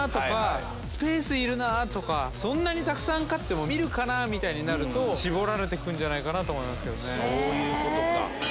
そんなにたくさん飼っても見るかなみたいになると絞られて来るんじゃないかなと思いますけどね。